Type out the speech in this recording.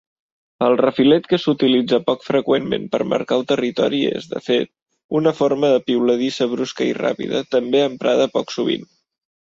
El refilet que s'utilitza poc freqüentment per marcar el territori és, de fet, una forma de piuladissa brusca i ràpida, també emprada poc sovint.